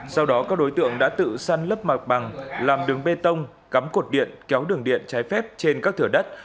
sau đó các đối tượng đã tự săn lấp mặt bằng làm đường bê tông cắm cột điện kéo đường điện trái phép trên các thửa đất